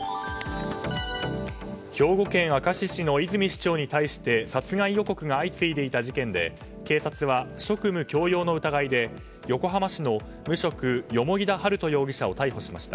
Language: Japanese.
兵庫県明石市の泉市長に対して殺害予告が相次いでいた事件で警察は、職務強要の疑いで横浜市の無職蓬田治都容疑者を逮捕しました。